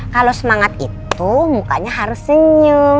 kalau semangat itu mukanya harus senyum